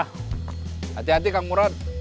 hati hati kang murad